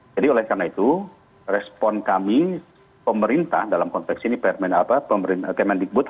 jadi oleh karena itu respon kami pemerintah dalam konteks ini permen apa pemerintah kemendikbud